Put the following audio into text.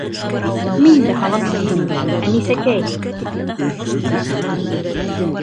Мин дә һағындым һине, Әнисәкәй.